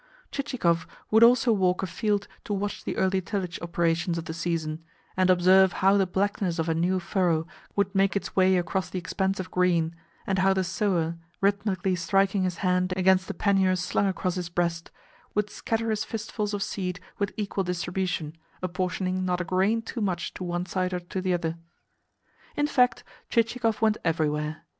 Chichikov would also walk afield to watch the early tillage operations of the season, and observe how the blackness of a new furrow would make its way across the expanse of green, and how the sower, rhythmically striking his hand against the pannier slung across his breast, would scatter his fistfuls of seed with equal distribution, apportioning not a grain too much to one side or to the other. In fact, Chichikov went everywhere.